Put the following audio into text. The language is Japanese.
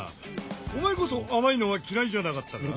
お前こそ甘いのは嫌いじゃなかったか？